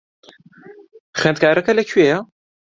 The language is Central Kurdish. خوێندکارەکە لەکوێیە؟